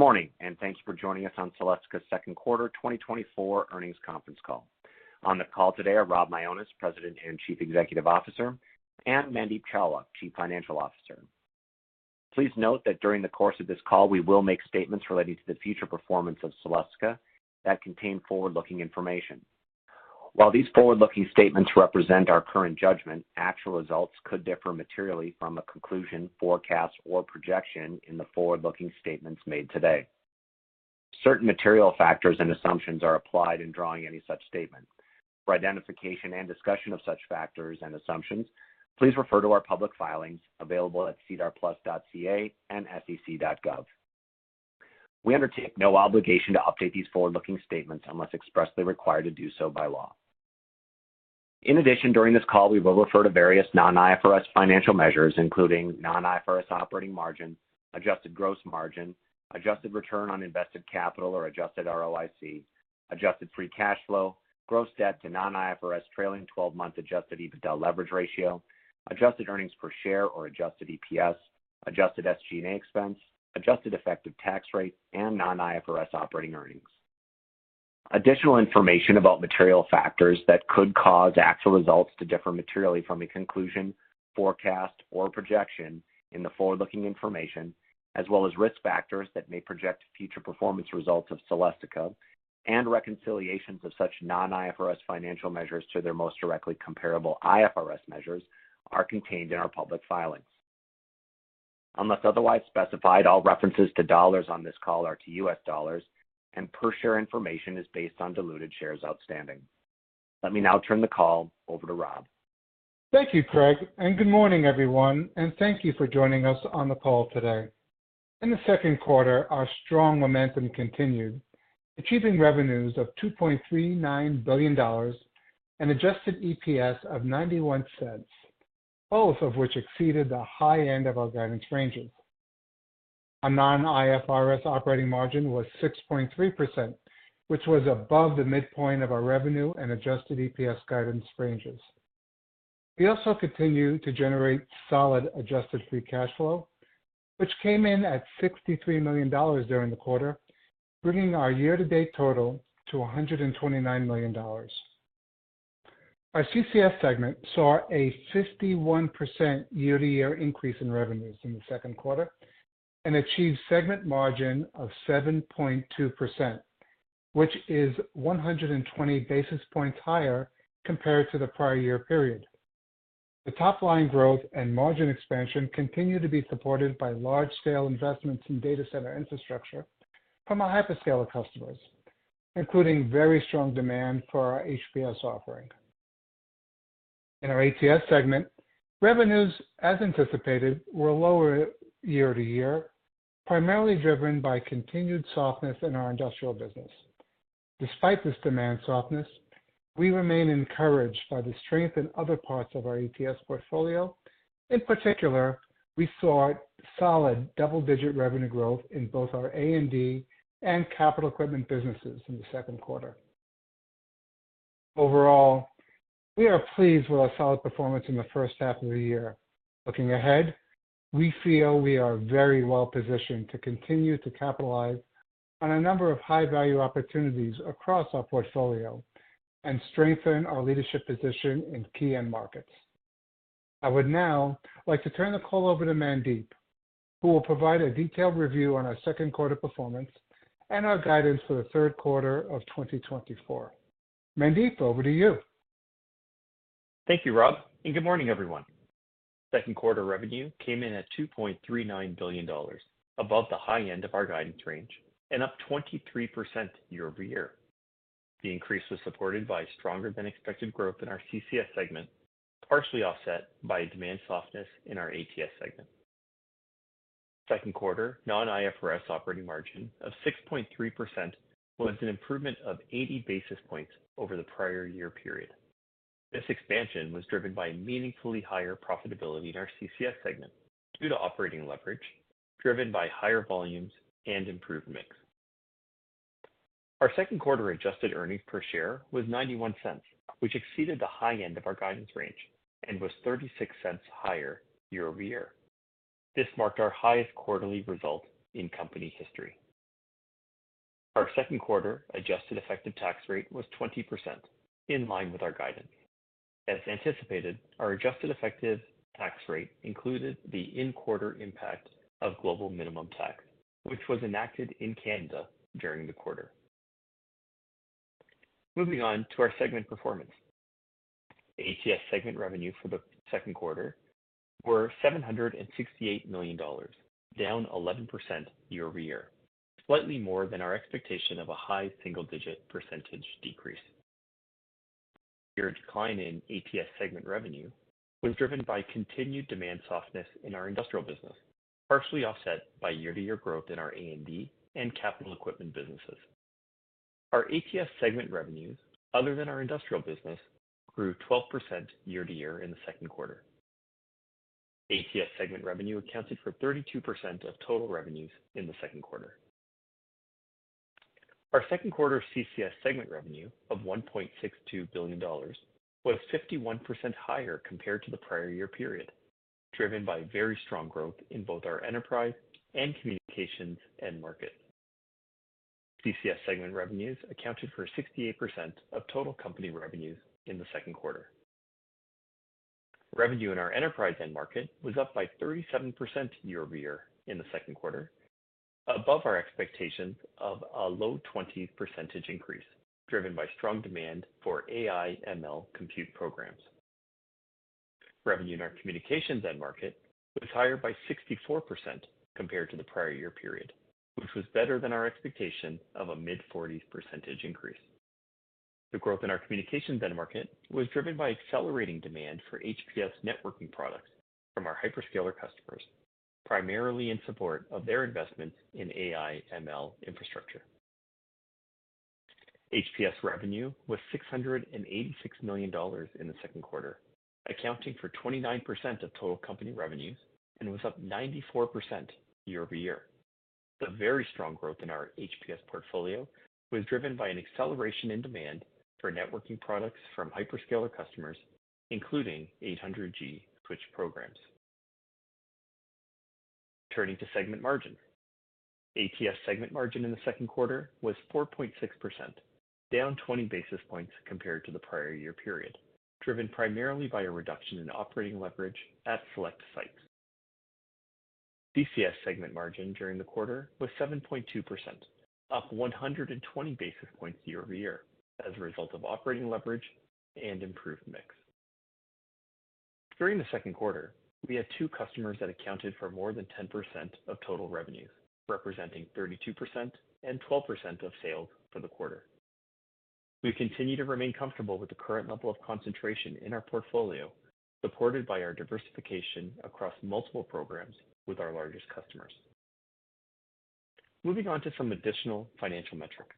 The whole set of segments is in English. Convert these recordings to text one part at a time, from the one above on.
Good morning, and thanks for joining us on Celestica's second quarter 2024 Earnings Conference Call. On the call today are Rob Mionis, President and Chief Executive Officer, and Mandeep Chawla, Chief Financial Officer. Please note that during the course of this call, we will make statements relating to the future performance of Celestica that contain forward-looking information. While these forward-looking statements represent our current judgment, actual results could differ materially from a conclusion, forecast, or projection in the forward-looking statements made today. Certain material factors and assumptions are applied in drawing any such statement. For identification and discussion of such factors and assumptions, please refer to our public filings available at sedarplus.ca and sec.gov. We undertake no obligation to update these forward-looking statements unless expressly required to do so by law. In addition, during this call, we will refer to various non-IFRS financial measures, including non-IFRS operating margin, adjusted gross margin, adjusted return on invested capital or adjusted ROIC, adjusted free cash flow, gross debt to non-IFRS trailing 12-month adjusted EBITDA leverage ratio, adjusted earnings per share or adjusted EPS, adjusted SG&A expense, adjusted effective tax rate, and non-IFRS operating earnings. Additional information about material factors that could cause actual results to differ materially from a conclusion, forecast, or projection in the forward-looking information, as well as risk factors that may project future performance results of Celestica and reconciliations of such non-IFRS financial measures to their most directly comparable IFRS measures, are contained in our public filings. Unless otherwise specified, all references to dollars on this call are to U.S. dollars, and per-share information is based on diluted shares outstanding. Let me now turn the call over to Rob. Thank you, Craig, and good morning, everyone, and thank you for joining us on the call today. In the second quarter, our strong momentum continued, achieving revenues of $2.39 billion and an adjusted EPS of $0.91, both of which exceeded the high end of our guidance ranges. Our Non-IFRS operating margin was 6.3%, which was above the midpoint of our revenue and adjusted EPS guidance ranges. We also continued to generate solid adjusted free cash flow, which came in at $63 million during the quarter, bringing our year-to-date total to $129 million. Our CCS segment saw a 51% year-to-year increase in revenues in the second quarter and achieved segment margin of 7.2%, which is 120 basis points higher compared to the prior year period. The top-line growth and margin expansion continue to be supported by large-scale investments in data center infrastructure from our hyperscaler customers, including very strong demand for our HPS offering. In our ATS segment, revenues, as anticipated, were lower year-to-year, primarily driven by continued softness in our industrial business. Despite this demand softness, we remain encouraged by the strength in other parts of our ATS portfolio. In particular, we saw solid double-digit revenue growth in both our A&D and capital equipment businesses in the second quarter. Overall, we are pleased with our solid performance in the first half of the year. Looking ahead, we feel we are very well-positioned to continue to capitalize on a number of high-value opportunities across our portfolio and strengthen our leadership position in key end markets. I would now like to turn the call over to Mandeep, who will provide a detailed review on our second quarter performance and our guidance for the third quarter of 2024. Mandeep, over to you. Thank you, Rob, and good morning, everyone. Second quarter revenue came in at $2.39 billion, above the high end of our guidance range and up 23% year-over-year. The increase was supported by stronger-than-expected growth in our CCS segment, partially offset by demand softness in our ATS segment. Second quarter non-IFRS operating margin of 6.3% was an improvement of 80 basis points over the prior year period. This expansion was driven by meaningfully higher profitability in our CCS segment due to operating leverage driven by higher volumes and improved mix. Our second quarter adjusted earnings per share was $0.91, which exceeded the high end of our guidance range and was $0.36 higher year-over-year. This marked our highest quarterly result in company history. Our second quarter adjusted effective tax rate was 20%, in line with our guidance. As anticipated, our adjusted effective tax rate included the in-quarter impact of Global Minimum Tax, which was enacted in Canada during the quarter. Moving on to our segment performance, ATS segment revenue for the second quarter was $768 million, down 11% year-over-year, slightly more than our expectation of a high single-digit percentage decrease. The year-to-date decline in ATS segment revenue was driven by continued demand softness in our industrial business, partially offset by year-to-year growth in our A&D and capital equipment businesses. Our ATS segment revenues, other than our industrial business, grew 12% year-to-year in the second quarter. ATS segment revenue accounted for 32% of total revenues in the second quarter. Our second quarter CCS segment revenue of $1.62 billion was 51% higher compared to the prior year period, driven by very strong growth in both our enterprise and communications end markets. CCS segment revenues accounted for 68% of total company revenues in the second quarter. Revenue in our enterprise end market was up by 37% year-over-year in the second quarter, above our expectations of a low 20% increase, driven by strong demand for AI/ML compute programs. Revenue in our communications end market was higher by 64% compared to the prior year period, which was better than our expectation of a mid-40% increase. The growth in our communications end market was driven by accelerating demand for HPS networking products from our hyperscaler customers, primarily in support of their investments in AI/ML infrastructure. HPS revenue was $686 million in the second quarter, accounting for 29% of total company revenues and was up 94% year-over-year. The very strong growth in our HPS portfolio was driven by an acceleration in demand for networking products from hyperscaler customers, including 800G switch programs. Turning to segment margin, ATS segment margin in the second quarter was 4.6%, down 20 basis points compared to the prior year period, driven primarily by a reduction in operating leverage at select sites. CCS segment margin during the quarter was 7.2%, up 120 basis points year-over-year as a result of operating leverage and improved mix. During the second quarter, we had two customers that accounted for more than 10% of total revenues, representing 32% and 12% of sales for the quarter. We continue to remain comfortable with the current level of concentration in our portfolio, supported by our diversification across multiple programs with our largest customers. Moving on to some additional financial metrics.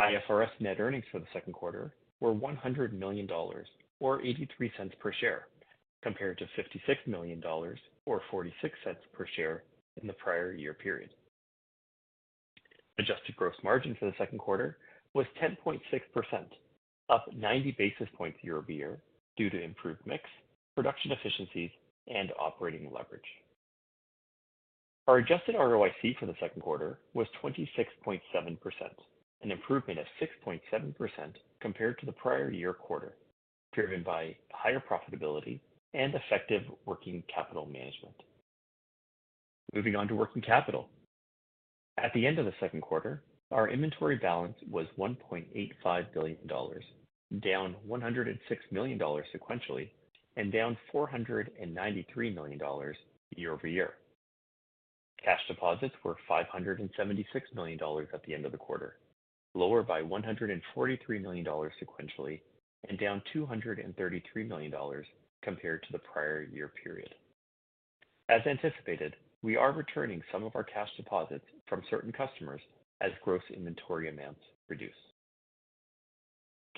IFRS net earnings for the second quarter were $100 million or $0.83 per share, compared to $56 million or $0.46 per share in the prior year period. Adjusted gross margin for the second quarter was 10.6%, up 90 basis points year-over-year due to improved mix, production efficiencies, and operating leverage. Our adjusted ROIC for the second quarter was 26.7%, an improvement of 6.7% compared to the prior year quarter, driven by higher profitability and effective working capital management. Moving on to working capital. At the end of the second quarter, our inventory balance was $1.85 billion, down $106 million sequentially, and down $493 million year-over-year. Cash deposits were $576 million at the end of the quarter, lower by $143 million sequentially, and down $233 million compared to the prior year period. As anticipated, we are returning some of our cash deposits from certain customers as gross inventory amounts reduce.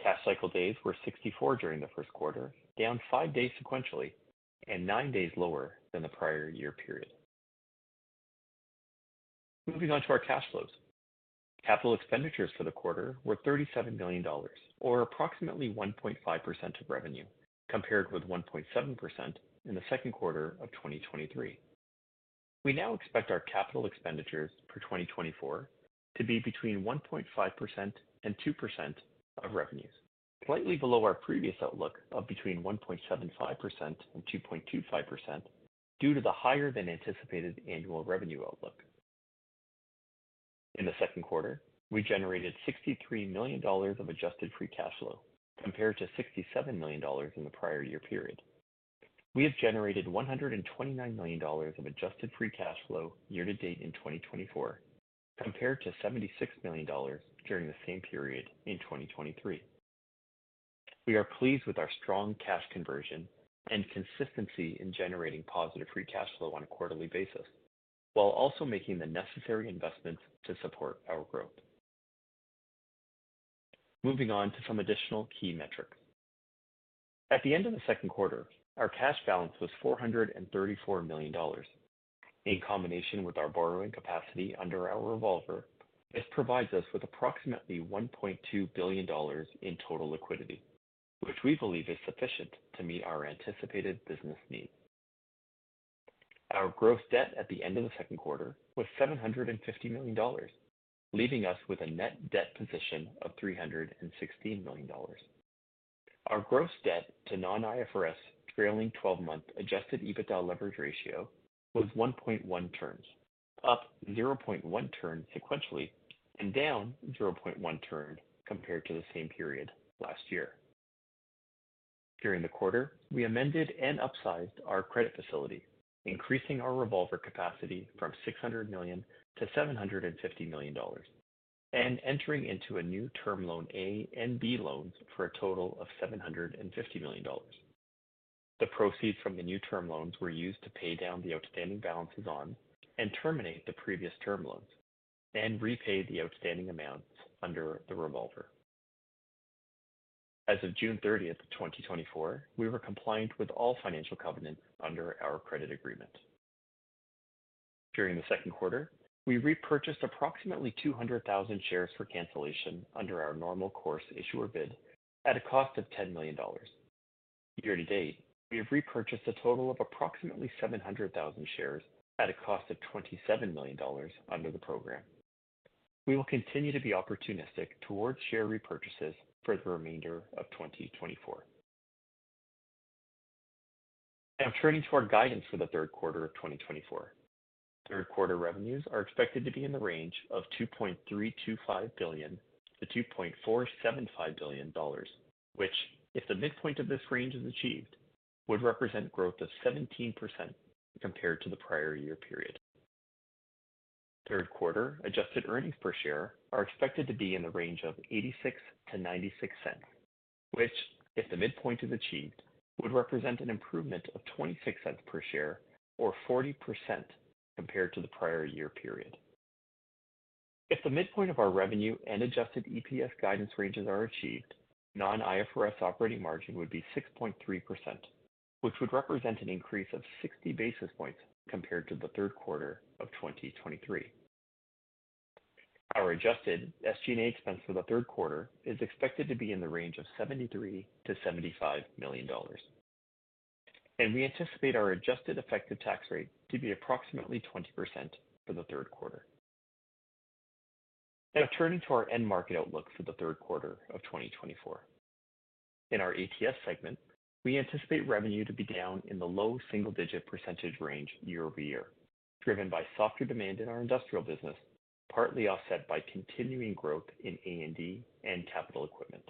Cash cycle days were 64 during the first quarter, down five days sequentially, and nine days lower than the prior year period. Moving on to our cash flows. Capital expenditures for the quarter were $37 million, or approximately 1.5% of revenue, compared with 1.7% in the second quarter of 2023. We now expect our capital expenditures for 2024 to be between 1.5%-2% of revenues, slightly below our previous outlook of between 1.75%-2.25% due to the higher-than-anticipated annual revenue outlook. In the second quarter, we generated $63 million of adjusted free cash flow, compared to $67 million in the prior year period. We have generated $129 million of adjusted free cash flow year-to-date in 2024, compared to $76 million during the same period in 2023. We are pleased with our strong cash conversion and consistency in generating positive free cash flow on a quarterly basis, while also making the necessary investments to support our growth. Moving on to some additional key metrics. At the end of the second quarter, our cash balance was $434 million. In combination with our borrowing capacity under our revolver, this provides us with approximately $1.2 billion in total liquidity, which we believe is sufficient to meet our anticipated business needs. Our gross debt at the end of the second quarter was $750 million, leaving us with a net debt position of $316 million. Our gross debt to non-IFRS trailing 12-month adjusted EBITDA leverage ratio was 1.1 turns, up 0.1 turn sequentially and down 0.1 turn compared to the same period last year. During the quarter, we amended and upsized our credit facility, increasing our revolver capacity from $600 million to $750 million, and entering into a new term loan A and B loans for a total of $750 million. The proceeds from the new term loans were used to pay down the outstanding balances on and terminate the previous term loans and repay the outstanding amounts under the revolver. As of June 30, 2024, we were compliant with all financial covenants under our credit agreement. During the second quarter, we repurchased approximately 200,000 shares for cancellation under our normal course issuer bid at a cost of $10 million. Year-to-date, we have repurchased a total of approximately 700,000 shares at a cost of $27 million under the program. We will continue to be opportunistic towards share repurchases for the remainder of 2024. Now, turning to our guidance for the third quarter of 2024, third quarter revenues are expected to be in the range of $2.325 billion-$2.475 billion, which, if the midpoint of this range is achieved, would represent growth of 17% compared to the prior year period. Third quarter adjusted earnings per share are expected to be in the range of $0.86-$0.96, which, if the midpoint is achieved, would represent an improvement of $0.26 per share or 40% compared to the prior year period. If the midpoint of our revenue and adjusted EPS guidance ranges are achieved, non-IFRS operating margin would be 6.3%, which would represent an increase of 60 basis points compared to the third quarter of 2023. Our adjusted SG&A expense for the third quarter is expected to be in the range of $73-$75 million, and we anticipate our adjusted effective tax rate to be approximately 20% for the third quarter. Now, turning to our end market outlook for the third quarter of 2024. In our ATS segment, we anticipate revenue to be down in the low single-digit % range year-over-year, driven by softer demand in our industrial business, partly offset by continuing growth in A&D and capital equipment.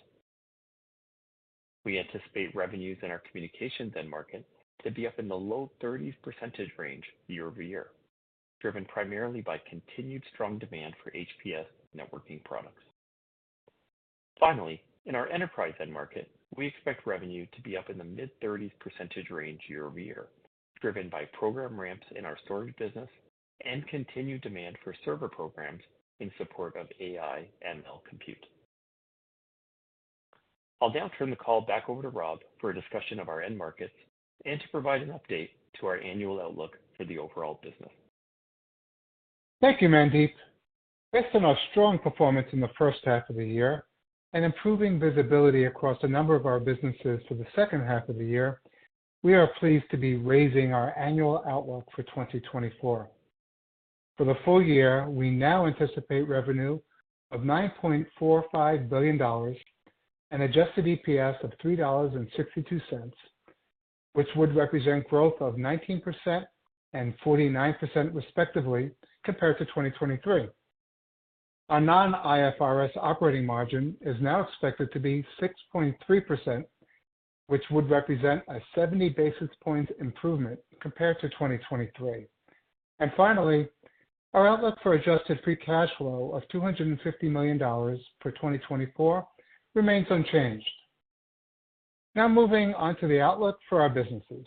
We anticipate revenues in our communications end market to be up in the low 30% range year-over-year, driven primarily by continued strong demand for HPS networking products. Finally, in our enterprise end market, we expect revenue to be up in the mid-30% range year-over-year, driven by program ramps in our storage business and continued demand for server programs in support of AI/ML compute. I'll now turn the call back over to Rob for a discussion of our end markets and to provide an update to our annual outlook for the overall business. Thank you, Mandeep. Based on our strong performance in the first half of the year and improving visibility across a number of our businesses for the second half of the year, we are pleased to be raising our annual outlook for 2024. For the full year, we now anticipate revenue of $9.45 billion and Adjusted EPS of $3.62, which would represent growth of 19% and 49% respectively compared to 2023. Our non-IFRS operating margin is now expected to be 6.3%, which would represent a 70 basis points improvement compared to 2023. Finally, our outlook for adjusted free cash flow of $250 million for 2024 remains unchanged. Now, moving on to the outlook for our businesses,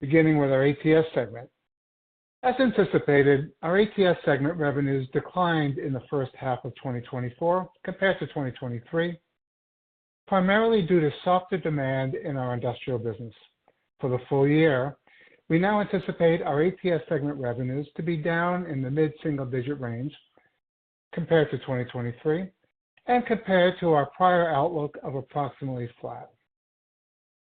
beginning with our ATS segment. As anticipated, our ATS segment revenues declined in the first half of 2024 compared to 2023, primarily due to softer demand in our industrial business. For the full year, we now anticipate our ATS segment revenues to be down in the mid-single-digit range compared to 2023 and compared to our prior outlook of approximately flat.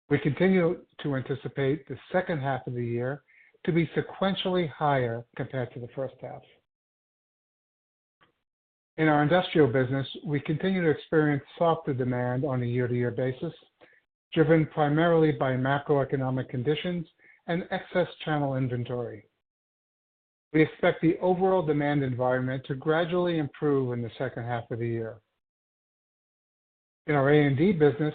We continue to anticipate the second half of the year to be sequentially higher compared to the first half. In our industrial business, we continue to experience softer demand on a year-to-year basis, driven primarily by macroeconomic conditions and excess channel inventory. We expect the overall demand environment to gradually improve in the second half of the year. In our A&D business,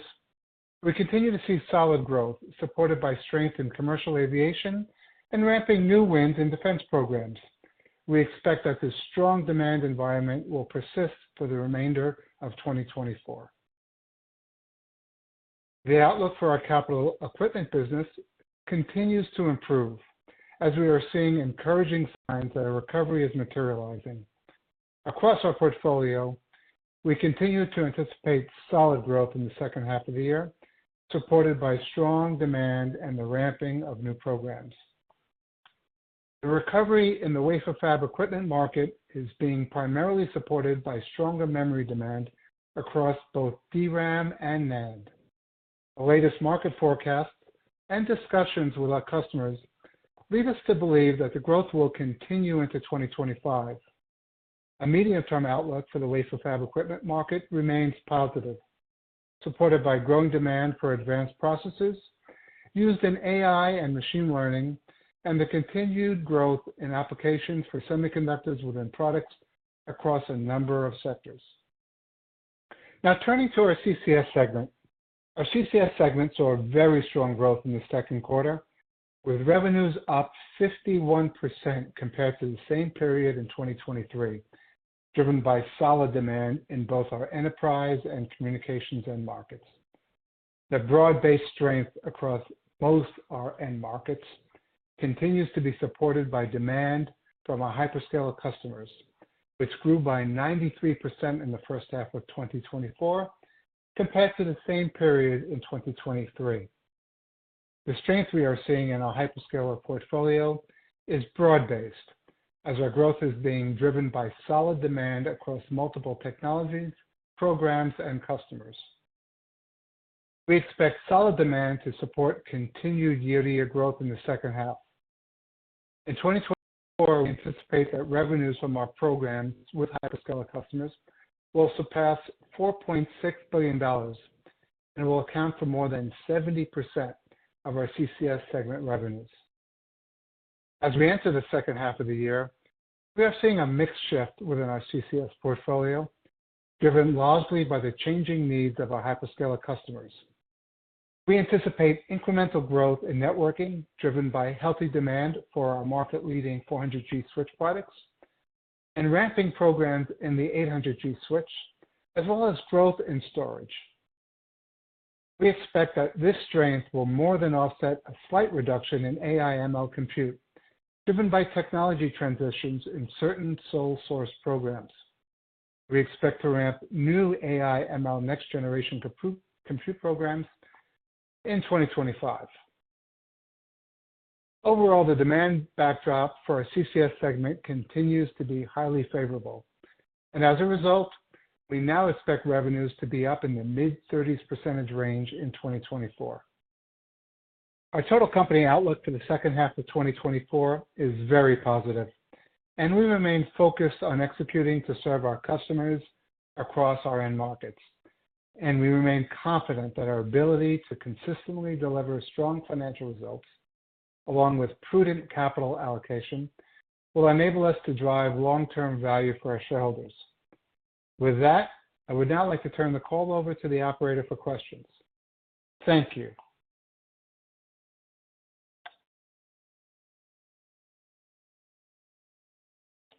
we continue to see solid growth supported by strength in commercial aviation and ramping new wins in defense programs. We expect that this strong demand environment will persist for the remainder of 2024. The outlook for our capital equipment business continues to improve as we are seeing encouraging signs that our recovery is materializing. Across our portfolio, we continue to anticipate solid growth in the second half of the year, supported by strong demand and the ramping of new programs. The recovery in the wafer fab equipment market is being primarily supported by stronger memory demand across both DRAM and NAND. The latest market forecasts and discussions with our customers lead us to believe that the growth will continue into 2025. A medium-term outlook for the wafer fab equipment market remains positive, supported by growing demand for advanced processes used in AI and machine learning and the continued growth in applications for semiconductors within products across a number of sectors. Now, turning to our CCS segment, our CCS segment saw very strong growth in the second quarter, with revenues up 51% compared to the same period in 2023, driven by solid demand in both our enterprise and communications end markets. The broad-based strength across most of our end markets continues to be supported by demand from our hyperscaler customers, which grew by 93% in the first half of 2024 compared to the same period in 2023. The strength we are seeing in our hyperscaler portfolio is broad-based, as our growth is being driven by solid demand across multiple technologies, programs, and customers. We expect solid demand to support continued year-to-year growth in the second half. In 2024, we anticipate that revenues from our programs with hyperscaler customers will surpass $4.6 billion and will account for more than 70% of our CCS segment revenues. As we enter the second half of the year, we are seeing a mixed shift within our CCS portfolio, driven largely by the changing needs of our hyperscaler customers. We anticipate incremental growth in networking, driven by healthy demand for our market-leading 400G switch products and ramping programs in the 800G switch, as well as growth in storage. We expect that this strength will more than offset a slight reduction in AI/ML compute, driven by technology transitions in certain sole-source programs. We expect to ramp new AI/ML next-generation compute programs in 2025. Overall, the demand backdrop for our CCS segment continues to be highly favorable, and as a result, we now expect revenues to be up in the mid-30% range in 2024. Our total company outlook for the second half of 2024 is very positive, and we remain focused on executing to serve our customers across our end markets. And we remain confident that our ability to consistently deliver strong financial results, along with prudent capital allocation, will enable us to drive long-term value for our shareholders. With that, I would now like to turn the call over to the operator for questions. Thank you.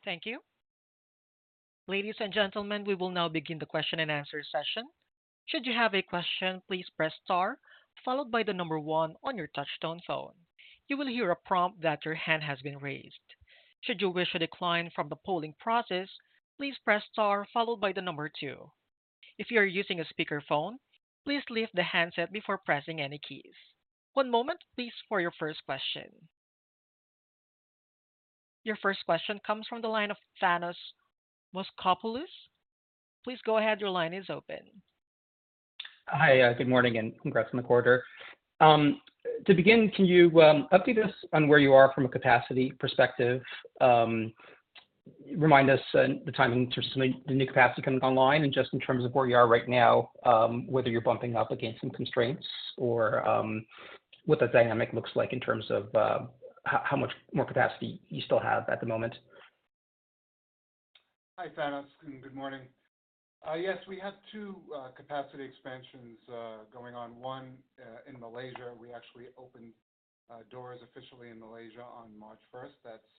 Thank you. Ladies and gentlemen, we will now begin the question and answer session. Should you have a question, please press star, followed by the number one on your touch-tone phone. You will hear a prompt that your hand has been raised. Should you wish to decline from the polling process, please press star, followed by the number two. If you are using a speakerphone, please lift the handset before pressing any keys. One moment, please, for your first question. Your first question comes from the line of Thanos Moschopoulos. Please go ahead. Your line is open. Hi, good morning and congrats on the quarter. To begin, can you update us on where you are from a capacity perspective? Remind us the timing in terms of the new capacity coming online and just in terms of where you are right now, whether you're bumping up against some constraints or what the dynamic looks like in terms of how much more capacity you still have at the moment. Hi, Thanos, and good morning. Yes, we had two capacity expansions going on. One in Malaysia. We actually opened doors officially in Malaysia on March 1st. That's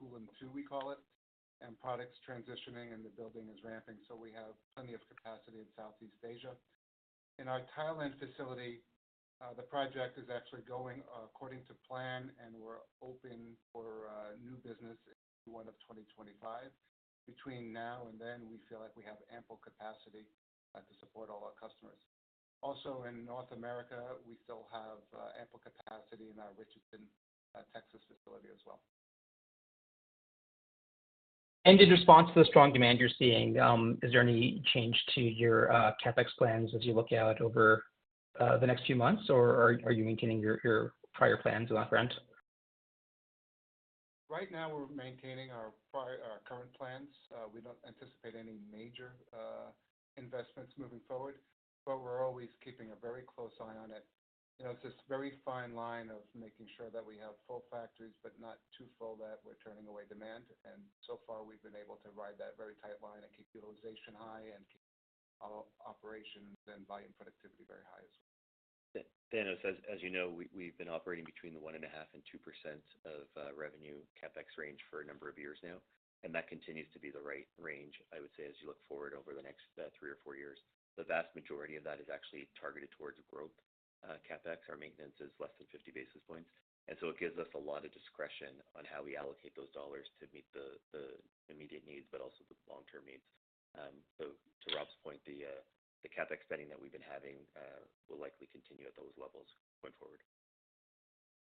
Kulim 2, we call it, and products transitioning, and the building is ramping. We have plenty of capacity in Southeast Asia. In our Thailand facility, the project is actually going according to plan, and we're open for new business in Q1 of 2025. Between now and then, we feel like we have ample capacity to support all our customers. Also, in North America, we still have ample capacity in our Richardson, Texas facility as well. In response to the strong demand you're seeing, is there any change to your CapEx plans as you look out over the next few months, or are you maintaining your prior plans in the front? Right now, we're maintaining our current plans. We don't anticipate any major investments moving forward, but we're always keeping a very close eye on it. It's this very fine line of making sure that we have full factories, but not too full that we're turning away demand. So far, we've been able to ride that very tight line and keep utilization high and keep our operations and buy-in productivity very high as well. Thanos, as you know, we've been operating between the 1.5%-2% of revenue CapEx range for a number of years now, and that continues to be the right range, I would say, as you look forward over the next three or four years. The vast majority of that is actually targeted towards growth CapEx. Our maintenance is less than 50 basis points, and so it gives us a lot of discretion on how we allocate those dollars to meet the immediate needs, but also the long-term needs. So to Rob's point, the CapEx spending that we've been having will likely continue at those levels going forward.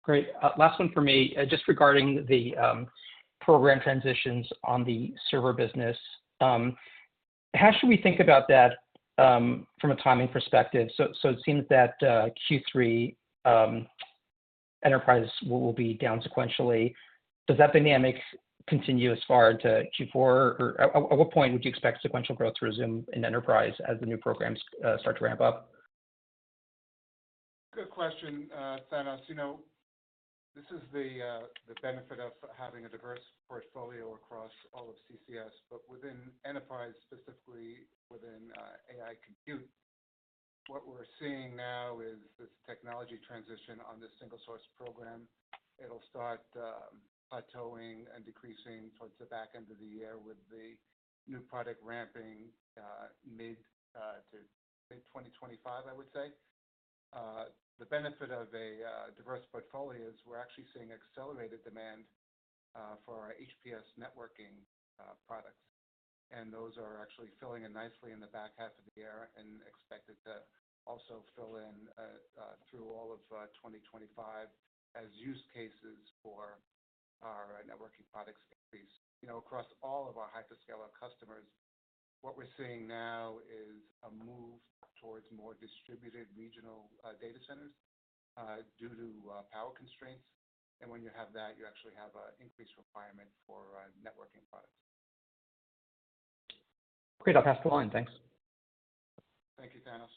Great. Last one for me, just regarding the program transitions on the server business. How should we think about that from a timing perspective? So it seems that Q3 enterprise will be down sequentially. Does that dynamic continue as far into Q4, or at what point would you expect sequential growth to resume in enterprise as the new programs start to ramp up? Good question, Thanos. This is the benefit of having a diverse portfolio across all of CCS, but within enterprise, specifically within AI compute, what we're seeing now is this technology transition on the single-source program. It'll start plateauing and decreasing towards the back end of the year with the new product ramping mid-2025, I would say. The benefit of a diverse portfolio is we're actually seeing accelerated demand for our HPS networking products, and those are actually filling in nicely in the back half of the year and expected to also fill in through all of 2025 as use cases for our networking products increase. Across all of our hyperscaler customers, what we're seeing now is a move towards more distributed regional data centers due to power constraints. And when you have that, you actually have an increased requirement for networking products. Great. I'll pass the line. Thanks. Thank you, Thanos.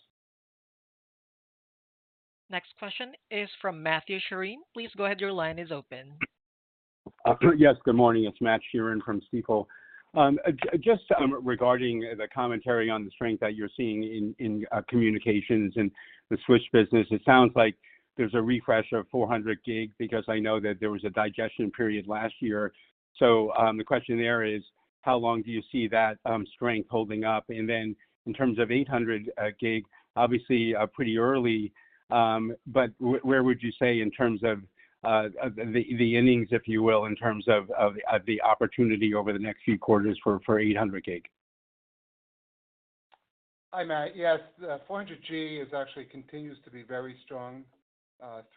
Next question is from Matthew Sheerin. Please go ahead. Your line is open. Yes, good morning. It's Matt Sheerin from Stifel. Just regarding the commentary on the strength that you're seeing in communications and the switch business, it sounds like there's a refresh of 400 gig because I know that there was a digestion period last year. The question there is, how long do you see that strength holding up? Then in terms of 800 gig, obviously pretty early, but where would you say in terms of the innings, if you will, in terms of the opportunity over the next few quarters for 800 gig? Hi, Matt. Yes, 400G actually continues to be very strong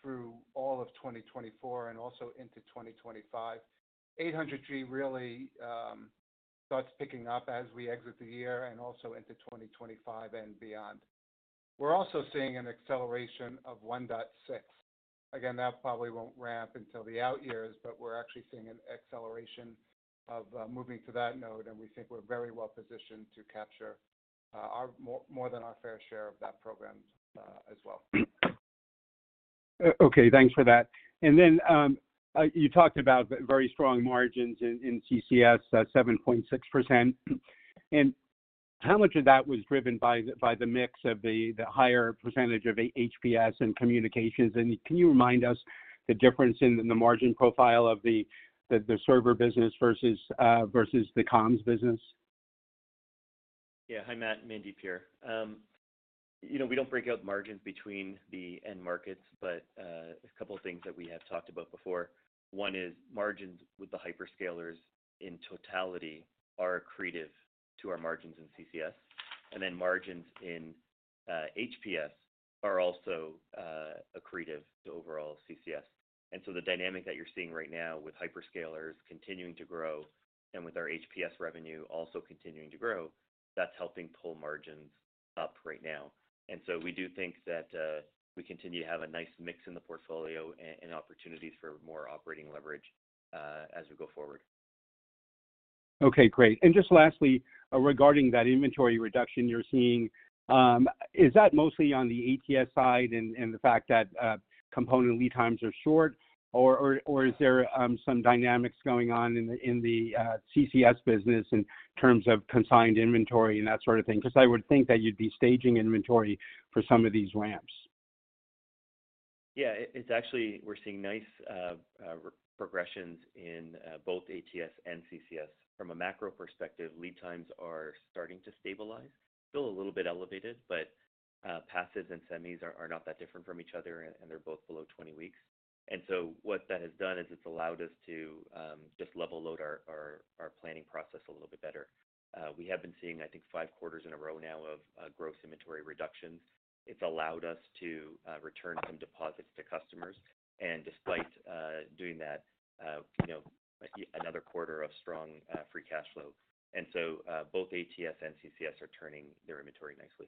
through all of 2024 and also into 2025. 800G really starts picking up as we exit the year and also into 2025 and beyond. We're also seeing an acceleration of 1.6. Again, that probably won't ramp until the out years, but we're actually seeing an acceleration of moving to that node, and we think we're very well positioned to capture more than our fair share of that program as well. Okay. Thanks for that. Then you talked about very strong margins in CCS, 7.6%. How much of that was driven by the mix of the higher percentage of HPS and communications? Can you remind us the difference in the margin profile of the server business versus the comms business? Yeah. Hi, Matt. Mandeep here. We don't break out margins between the end markets, but a couple of things that we have talked about before. One is margins with the hyperscalers in totality are accretive to our margins in CCS, and then margins in HPS are also accretive to overall CCS. The dynamic that you're seeing right now with hyperscalers continuing to grow and with our HPS revenue also continuing to grow, that's helping pull margins up right now. We do think that we continue to have a nice mix in the portfolio and opportunities for more operating leverage as we go forward. Okay. Great. Just lastly, regarding that inventory reduction you're seeing, is that mostly on the ATS side and the fact that component lead times are short, or is there some dynamics going on in the CCS business in terms of consigned inventory and that sort of thing? Because I would think that you'd be staging inventory for some of these ramps. Yeah. We're seeing nice progressions in both ATS and CCS. From a macro perspective, lead times are starting to stabilize. Still a little bit elevated, but passives and semis are not that different from each other, and they're both below 20 weeks. And so what that has done is it's allowed us to just level load our planning process a little bit better. We have been seeing, I think, five quarters in a row now of gross inventory reductions. It's allowed us to return some deposits to customers, and despite doing that, another quarter of strong free cash flow. And so both ATS and CCS are turning their inventory nicely.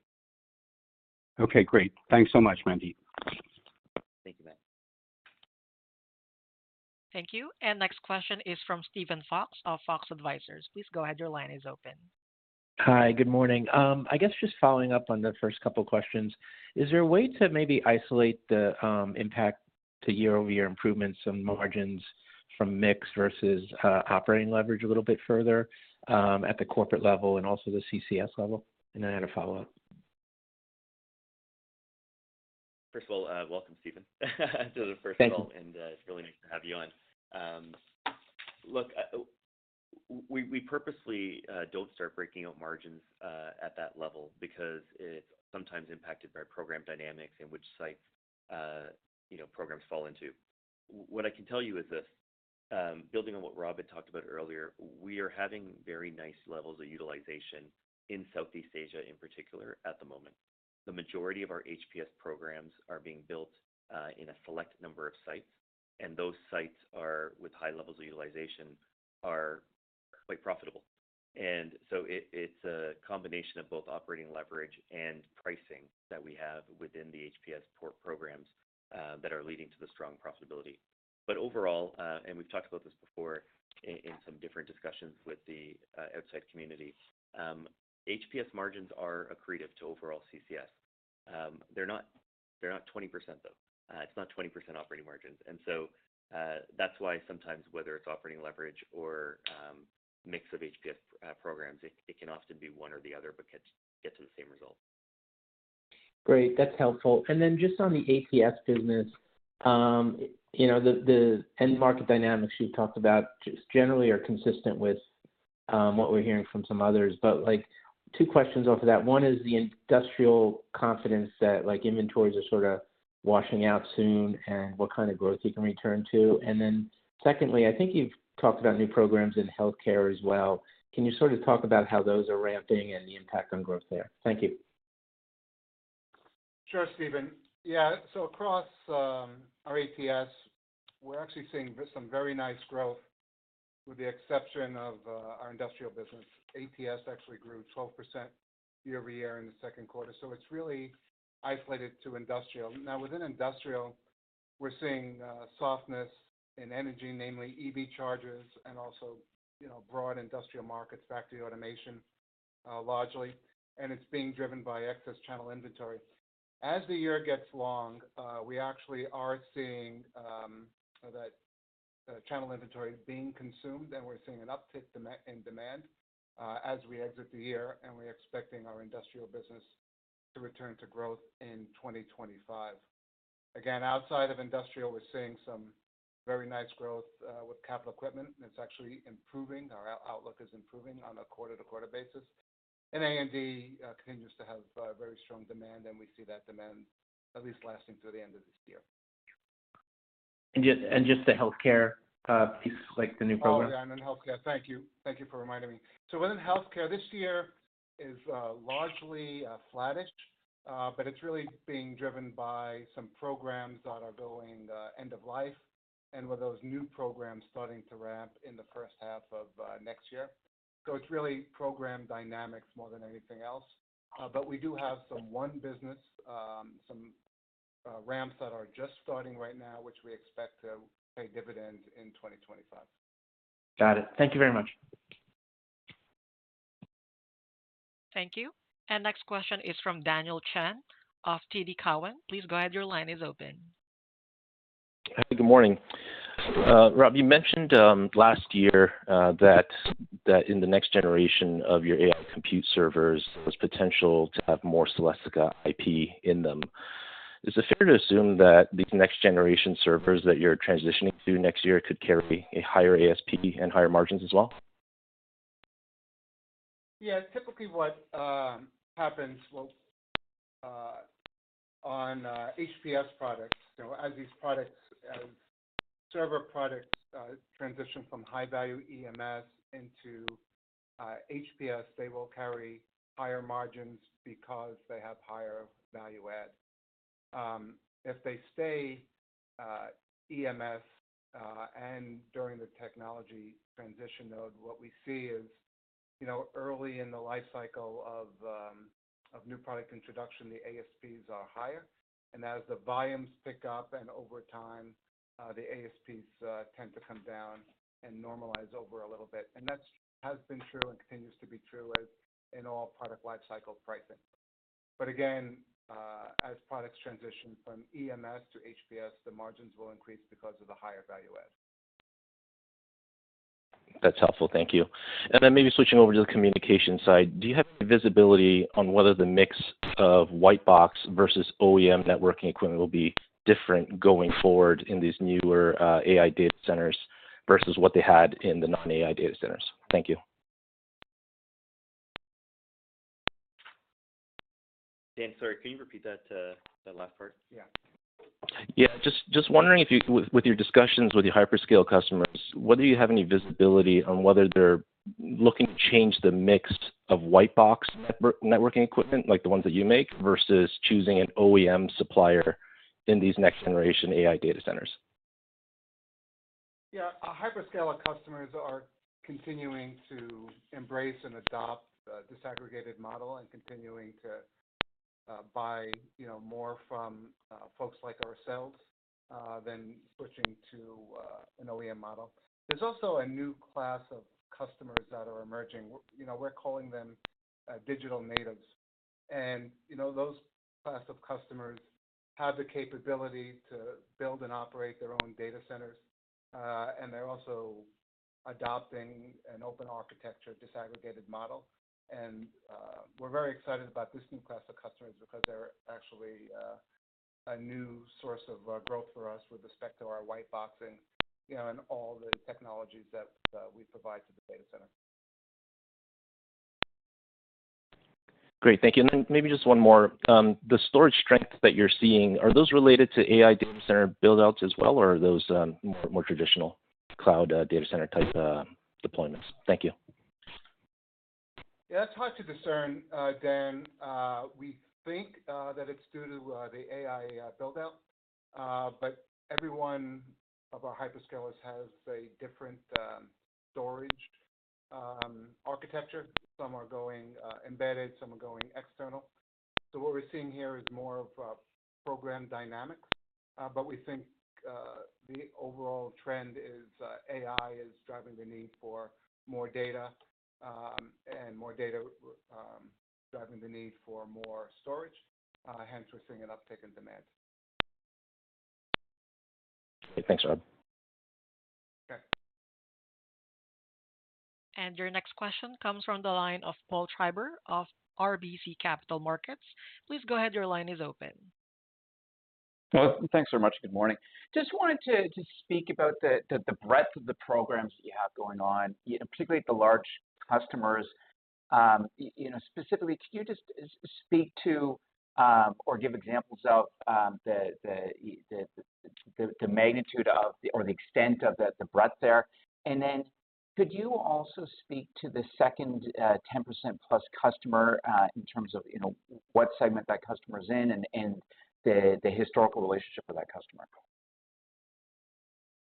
Okay. Great. Thanks so much, Mandeep. Thank you, Matt. Thank you. Next question is from Steven Fox of Fox Advisors. Please go ahead. Your line is open. Hi, good morning. I guess just following up on the first couple of questions, is there a way to maybe isolate the impact to year-over-year improvements on margins from mix versus operating leverage a little bit further at the corporate level and also the CCS level? Then I had a follow-up. First of all, welcome, Steven, to the first call, and it's really nice to have you on. Look, we purposely don't start breaking out margins at that level because it's sometimes impacted by program dynamics and which sites programs fall into. What I can tell you is this. Building on what Rob had talked about earlier, we are having very nice levels of utilization in Southeast Asia in particular at the moment. The majority of our HPS programs are being built in a select number of sites, and those sites with high levels of utilization are quite profitable. It's a combination of both operating leverage and pricing that we have within the HPS programs that are leading to the strong profitability. But overall, and we've talked about this before in some different discussions with the outside community, HPS margins are accretive to overall CCS. They're not 20%, though. It's not 20% operating margins. That's why sometimes, whether it's operating leverage or mix of HPS programs, it can often be one or the other, but get to the same result. Great. That's helpful. Then just on the ATS business, the end market dynamics you've talked about just generally are consistent with what we're hearing from some others. But two questions off of that. One is the industrial confidence that inventories are sort of washing out soon and what kind of growth you can return to. Then secondly, I think you've talked about new programs in healthcare as well. Can you sort of talk about how those are ramping and the impact on growth there? Thank you. Sure, Steven. Yeah. Across our ATS, we're actually seeing some very nice growth with the exception of our industrial business. ATS actually grew 12% year-over-year in the second quarter. It's really isolated to industrial. Now, within industrial, we're seeing softness in energy, namely EV chargers and also broad industrial markets, factory automation largely. It's being driven by excess channel inventory. As the year gets long, we actually are seeing that channel inventory being consumed, and we're seeing an uptick in demand as we exit the year, and we're expecting our industrial business to return to growth in 2025. Again, outside of industrial, we're seeing some very nice growth with capital equipment. It's actually improving. Our outlook is improving on a quarter-to-quarter basis. A&D continues to have very strong demand, and we see that demand at least lasting through the end of this year. Just the healthcare piece, like the new program? Oh, yeah., and then healthcare. Thank you. Thank you for reminding me. Within healthcare, this year is largely flattish, but it's really being driven by some programs that are going end of life and with those new programs starting to ramp in the first half of next year. It's really program dynamics more than anything else. But we do have some one business, some ramps that are just starting right now, which we expect to pay dividends in 2025. Got it. Thank you very much. Thank you. Next question is from Daniel Chan of TD Cowen. Please go ahead. Your line is open. Good morning. Rob, you mentioned last year that in the next generation of your AI compute servers, there was potential to have more Celestica IP in them. Is it fair to assume that these next-generation servers that you're transitioning to next year could carry a higher ASP and higher margins as well? Yeah. Typically, what happens on HPS products, as these server products transition from high-value EMS into HPS, they will carry higher margins because they have higher value-add. If they stay EMS and during the technology transition node, what we see is early in the life cycle of new product introduction, the ASPs are higher. As the volumes pick up and over time, the ASPs tend to come down and normalize over a little bit. That has been true and continues to be true in all product life cycle pricing. But again, as products transition from EMS to HPS, the margins will increase because of the higher value-add. That's helpful. Thank you. Then maybe switching over to the communication side, do you have any visibility on whether the mix of white box versus OEM networking equipment will be different going forward in these newer AI data centers versus what they had in the non-AI data centers? Thank you. Dan, sorry. Can you repeat that last part? Yeah. Yeah. Just wondering if you, with your discussions with your hyperscale customers, whether you have any visibility on whether they're looking to change the mix of white box networking equipment, like the ones that you make, versus choosing an OEM supplier in these next-generation AI data centers? Yeah. Hyperscale customers are continuing to embrace and adopt the disaggregated model and continuing to buy more from folks like ourselves than switching to an OEM model. There's also a new class of customers that are emerging. We're calling them digital natives. Those class of customers have the capability to build and operate their own data centers, and they're also adopting an open architecture disaggregated model. We're very excited about this new class of customers because they're actually a new source of growth for us with respect to our white boxing and all the technologies that we provide to the data center. Great. Thank you. Then maybe just one more. The storage strength that you're seeing, are those related to AI data center buildouts as well, or are those more traditional cloud data center type deployments? Thank you. Yeah. It's hard to discern, Dan. We think that it's due to the AI buildout, but every one of our hyperscalers has a different storage architecture. Some are going embedded, some are going external. What we're seeing here is more of program dynamics, but we think the overall trend is AI is driving the need for more data and more data driving the need for more storage, hence we're seeing an uptick in demand. Thanks, Rob. Okay. Your next question comes from the line of Paul Treiber of RBC Capital Markets. Please go ahead. Your line is open. Thanks so much. Good morning. Just wanted to speak about the breadth of the programs that you have going on, particularly at the large customers. Specifically, could you just speak to or give examples of the magnitude or the extent of the breadth there? Then could you also speak to the second 10% plus customer in terms of what segment that customer is in and the historical relationship with that customer?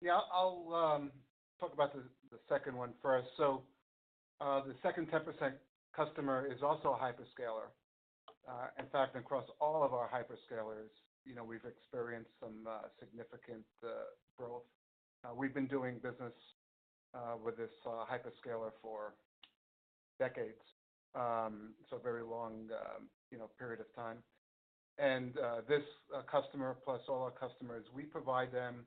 Yeah. I'll talk about the second one first. The second 10% customer is also a hyperscaler. In fact, across all of our hyperscalers, we've experienced some significant growth. We've been doing business with this hyperscaler for decades, so a very long period of time. This customer plus all our customers, we provide them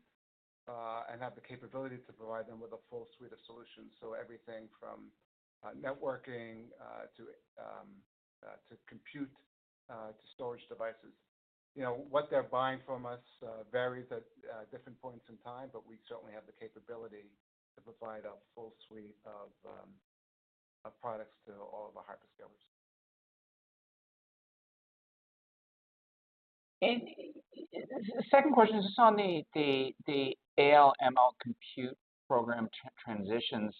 and have the capability to provide them with a full suite of solutions. Everything from networking to compute to storage devices. What they're buying from us varies at different points in time, but we certainly have the capability to provide a full suite of products to all of our hyperscalers. The second question is just on the AI/ML compute program transitions.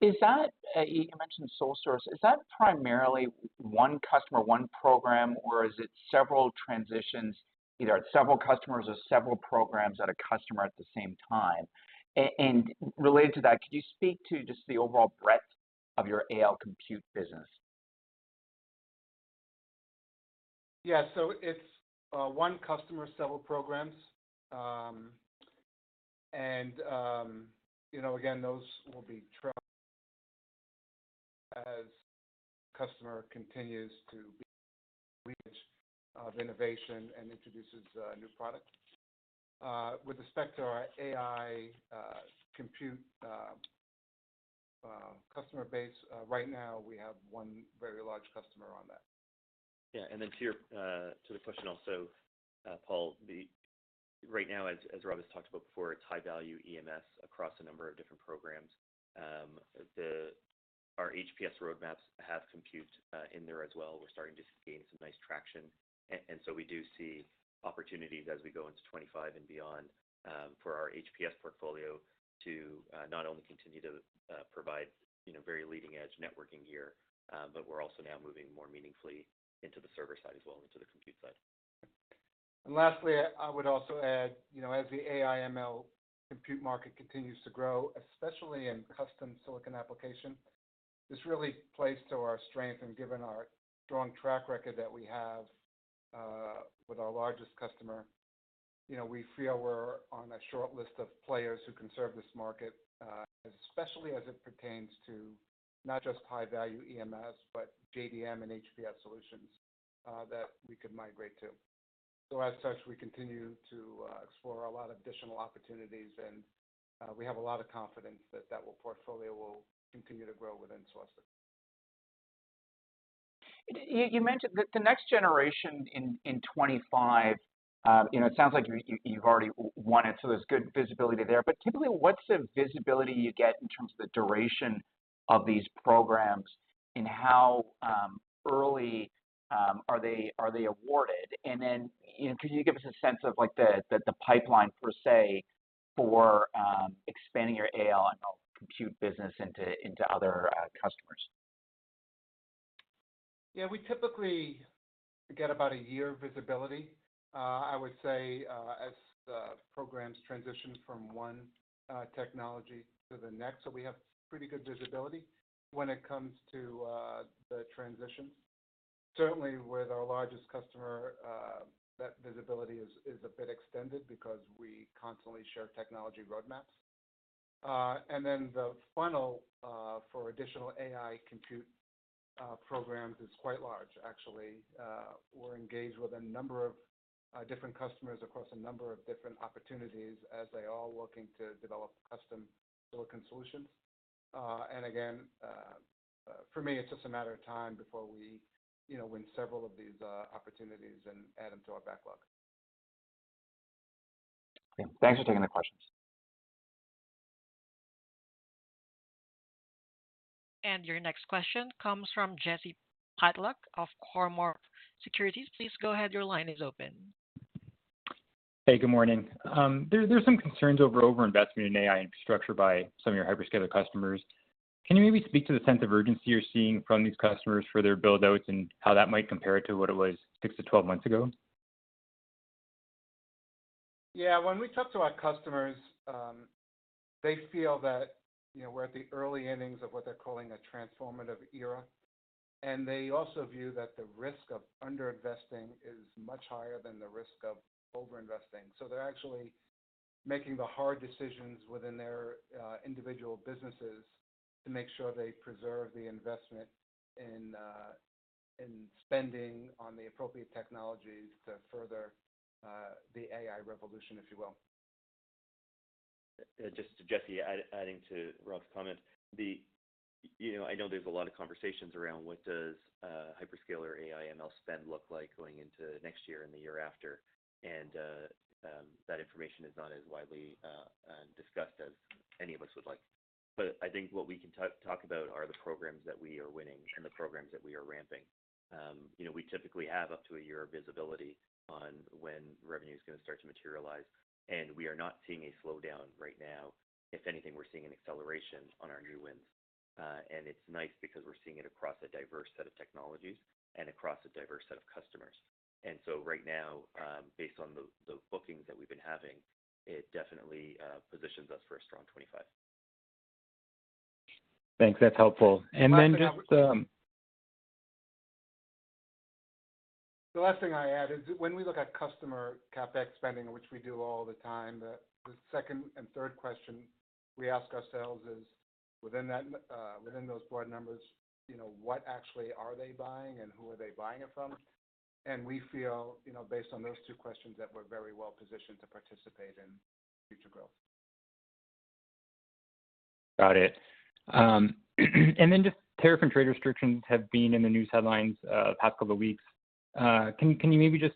You mentioned sole source. Is that primarily one customer, one program, or is it several transitions, either at several customers or several programs at a customer at the same time? Related to that, could you speak to just the overall breadth of your AI compute business? Yeah. It's one customer, several programs. Again, those will be tracked as the customer continues to reach innovation and introduces new products. With respect to our AI compute customer base, right now we have one very large customer on that. Yeah. Then, to the question also, Paul, right now, as Rob has talked about before, it's high-value EMS across a number of different programs. Our HPS roadmaps have compute in there as well. We're starting to gain some nice traction. We do see opportunities as we go into 2025 and beyond for our HPS portfolio to not only continue to provide very leading-edge networking gear, but we're also now moving more meaningfully into the server side as well, into the compute side. Lastly, I would also add, as the AI/ML compute market continues to grow, especially in custom silicon application, this really plays to our strength, and given our strong track record that we have with our largest customer, we feel we're on a short list of players who can serve this market, especially as it pertains to not just high-value EMS, but JDM and HPS solutions that we could migrate to. As such, we continue to explore a lot of additional opportunities, and we have a lot of confidence that that portfolio will continue to grow within Celestica. You mentioned that the next generation in 2025, it sounds like you've already won it, so there's good visibility there. But typically, what's the visibility you get in terms of the duration of these programs, and how early are they awarded? Then can you give us a sense of the pipeline per se for expanding your AI/ML compute business into other customers? Yeah. We typically get about a year of visibility, I would say, as the programs transition from one technology to the next. We have pretty good visibility when it comes to the transitions. Certainly, with our largest customer, that visibility is a bit extended because we constantly share technology roadmaps. Then the funnel for additional AI compute programs is quite large, actually. We're engaged with a number of different customers across a number of different opportunities as they are looking to develop custom silicon solutions. Again, for me, it's just a matter of time before we win several of these opportunities and add them to our backlog. Thanks for taking the questions. Your next question comes from Jesse Pytlak of Cormark Securities. Please go ahead. Your line is open. Hey, good morning. There's some concerns over over-investment in AI infrastructure by some of your hyperscaler customers. Can you maybe speak to the sense of urgency you're seeing from these customers for their buildouts and how that might compare to what it was 6-12 months ago? Yeah. When we talk to our customers, they feel that we're at the early innings of what they're calling a transformative era. They also view that the risk of under-investing is much higher than the risk of over-investing. They're actually making the hard decisions within their individual businesses to make sure they preserve the investment in spending on the appropriate technologies to further the AI revolution, if you will. Just to Jesse, adding to Rob's comment, I know there's a lot of conversations around what does hyperscaler AI/ML spend look like going into next year and the year after? That information is not as widely discussed as any of us would like. I think what we can talk about are the programs that we are winning and the programs that we are ramping. We typically have up to a year of visibility on when revenue is going to start to materialize. We are not seeing a slowdown right now. If anything, we're seeing an acceleration on our new wins. It's nice because we're seeing it across a diverse set of technologies and across a diverse set of customers. Right now, based on the bookings that we've been having, it definitely positions us for a strong 2025. Thanks. That's helpful. And then just-- Then I would-- The last thing I add is when we look at customer CapEx spending, which we do all the time, the second and third question we ask ourselves is, within those broad numbers, what actually are they buying and who are they buying it from? We feel, based on those two questions, that we're very well positioned to participate in future growth. Got it. Then just tariff and trade restrictions have been in the news headlines the past couple of weeks. Can you maybe just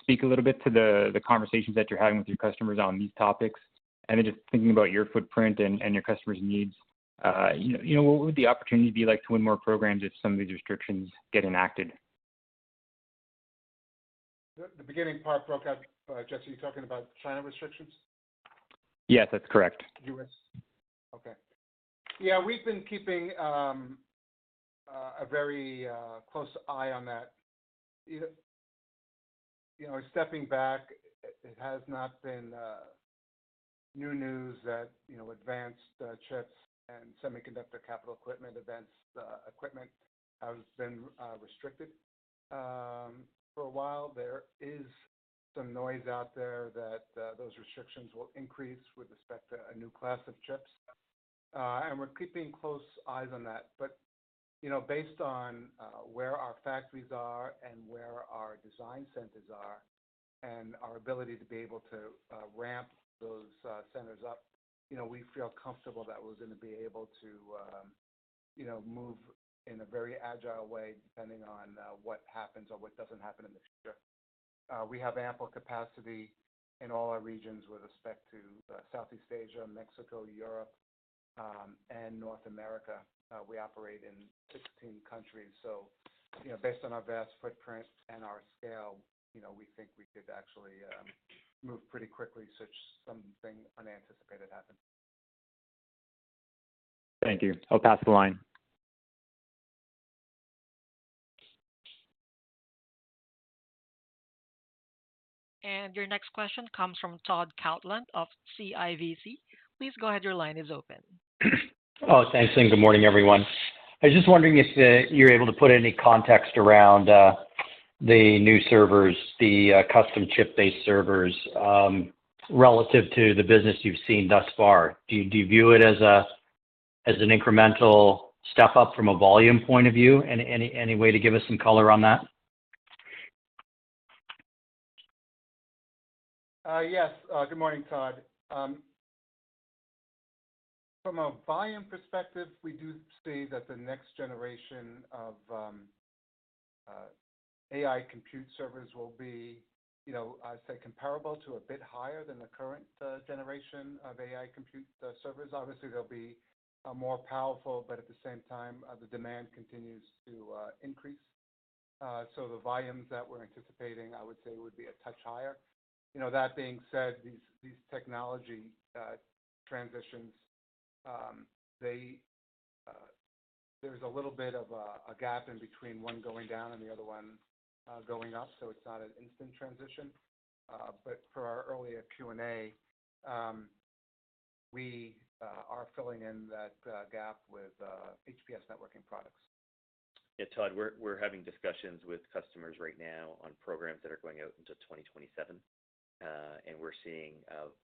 speak a little bit to the conversations that you're having with your customers on these topics? Then just thinking about your footprint and your customers' needs, what would the opportunity be like to win more programs if some of these restrictions get enacted? The beginning part broke up. Jesse, are you talking about China restrictions? Yes, that's correct. U.S.? Okay. Yeah. We've been keeping a very close eye on that. Stepping back, it has not been new news that advanced chips and semiconductor capital equipment has been restricted for a while. There is some noise out there that those restrictions will increase with respect to a new class of chips. And we're keeping close eyes on that. But based on where our factories are and where our design centers are and our ability to be able to ramp those centers up, we feel comfortable that we're going to be able to move in a very agile way depending on what happens or what doesn't happen in the future. We have ample capacity in all our regions with respect to Southeast Asia, Mexico, Europe, and North America. We operate in 16 countries. Based on our vast footprint and our scale, we think we could actually move pretty quickly should something unanticipated happen. Thank you. I'll pass the line. Your next question comes from Todd Coupland of CIBC. Please go ahead. Your line is open. Oh, thanks. Good morning, everyone. I was just wondering if you're able to put any context around the new servers, the custom chip-based servers, relative to the business you've seen thus far. Do you view it as an incremental step up from a volume point of view? Any way to give us some color on that? Yes. Good morning, Todd. From a volume perspective, we do see that the next generation of AI compute servers will be, I'd say, comparable to a bit higher than the current generation of AI compute servers. Obviously, they'll be more powerful, but at the same time, the demand continues to increase. The volumes that we're anticipating, I would say, would be a touch higher. That being said, these technology transitions, there's a little bit of a gap in between one going down and the other one going up. It's not an instant transition. But for our earlier Q&A, we are filling in that gap with HPS networking products. Yeah, Todd. We're having discussions with customers right now on programs that are going out into 2027. We're seeing, based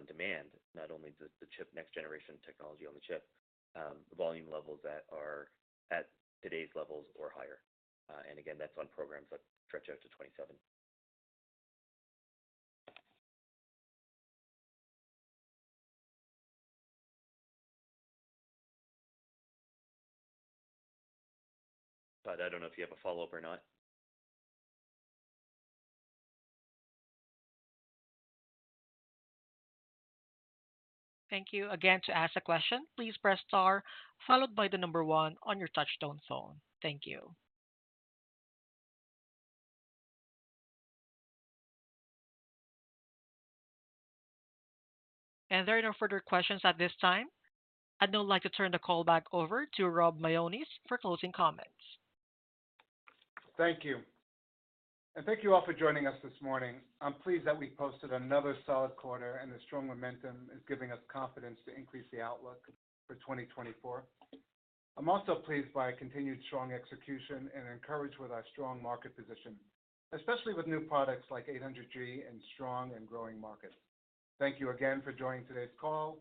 on demand, not only the next generation technology on the chip, the volume levels that are at today's levels or higher. Again, that's on programs that stretch out to 2027. Todd, I don't know if you have a follow-up or not. Thank you. Again, to ask a question, please press star, followed by the number one on your touch-tone phone. Thank you. There are no further questions at this time. I'd now like to turn the call back over to Rob Mionis for closing comments. Thank you. Thank you all for joining us this morning. I'm pleased that we've posted another solid quarter, and the strong momentum is giving us confidence to increase the outlook for 2024. I'm also pleased by continued strong execution and encouraged with our strong market position, especially with new products like 800G in strong and growing markets. Thank you again for joining today's call.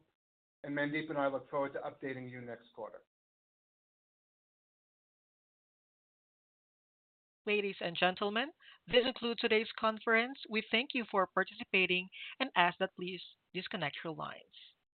Mandeep and I look forward to updating you next quarter. Ladies and gentlemen, this concludes today's conference. We thank you for participating and ask that please disconnect your lines.